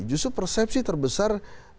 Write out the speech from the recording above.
justru persepsi terbesar